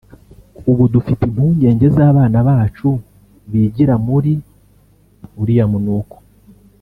ubu dufite impungenge z’abana bacu bigira muri uriya munuko